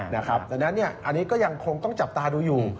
ดังนั้นอันนี้ก็ยังคงต้องจับตาดูอยู่